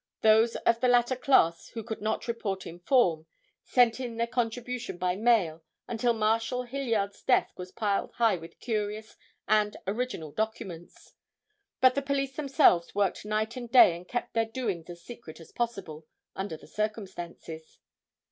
Those of the latter class who could not report in form, sent in their contributions by mail until Marshal Hilliard's desk was piled high with curious and original documents. But the police themselves worked night and day and kept their doings as secret as possible, under the circumstances.